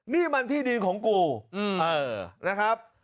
นี่มันที่ดินของกูนะครับ